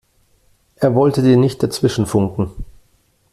Er wollte dir nicht dazwischenfunken.